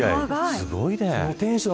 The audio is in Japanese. すごいね。